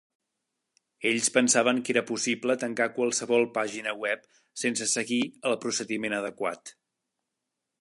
Ells pensaven que era possible tancar qualsevol pàgina web sense seguir el procediment adequat.